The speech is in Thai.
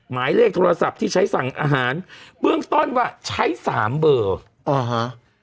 หมายเลขโทรศัพท์ที่ใช้สั่งอาหารเบื้องต้นว่าใช้สามเบอร์อ๋อฮะ